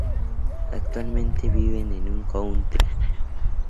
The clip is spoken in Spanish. Actualmente viven en un country.